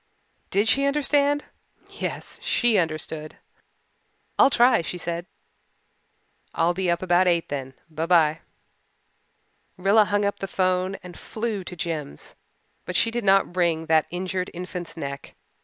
Did she understand! Yes, she understood. "I'll try," she said. "I'll be up about eight then. By by." Rilla hung up the 'phone and flew to Jims. But she did not wring that injured infant's neck.